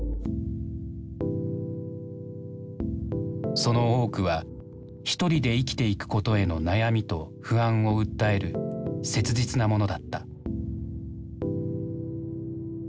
その多くはひとりで生きていくことへの悩みと不安を訴える切実なものだった。